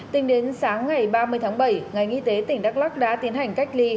tính đến sáng ngày ba mươi tháng bảy ngành y tế tỉnh đắk lắc đã tiến hành cách ly